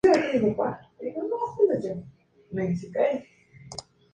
Es graduada de la Escuela de Cine de Vancouver.